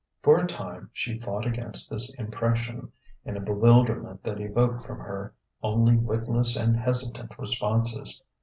For a time she fought against this impression, in a bewilderment that evoked from her only witless and hesitant responses.